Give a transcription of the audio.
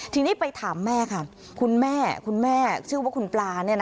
ทีนี้ไปถามแม่ค่ะคุณแม่คุณแม่ชื่อว่าคุณปลา